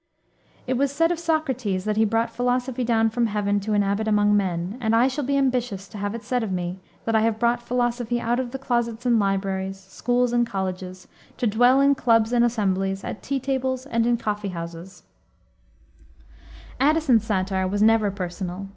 ... It was said of Socrates that he brought Philosophy down from Heaven to inhabit among men; and I shall be ambitious to have it said of me that I have brought Philosophy out of closets and libraries, schools and colleges, to dwell in clubs and assemblies, at tea tables and in coffee houses." Addison's satire was never personal.